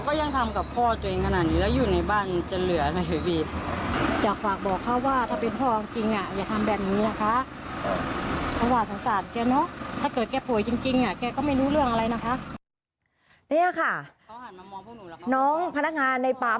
ก็ยังทำกับพ่อเจ้าเองขนาดนี้